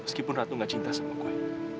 meskipun ratu gak cinta sama gue